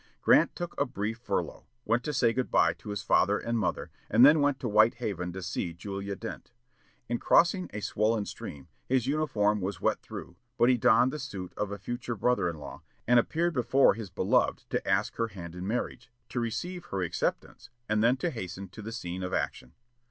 Grant took a brief furlough, went to say good bye to his father and mother, and then to White Haven to see Julia Dent. In crossing a swollen stream, his uniform was wet through, but he donned the suit of a future brother in law, and appeared before his beloved to ask her hand in marriage, to receive her acceptance, and then to hasten to the scene of action.